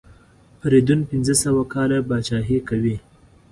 فریدون پنځه سوه کاله پاچهي کوي.